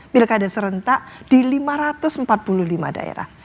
pilkada serentak di lima ratus empat puluh lima daerah